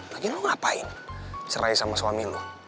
lagian lo ngapain cerai sama suami lo